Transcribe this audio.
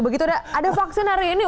begitu ada vaksin hari ini